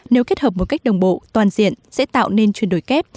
nếu kết hợp một cách đồng bộ toàn diện sẽ tạo nên chuyển đổi kép